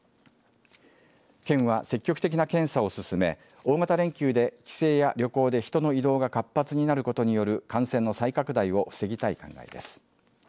県は、積極的な検査を進め大型連休で帰省や旅行で人の移動が活発になることによる感染の再拡大を防ぎたい考えです。